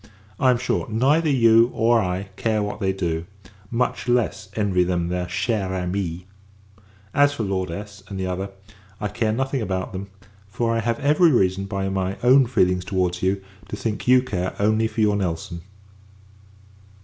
I am sure, neither you or I care what they do; much less, envy them their chere amies. As for Lord S , and the other, I care nothing about them; for I have every reason, by my own feelings towards you, to think you care only for your Nelson.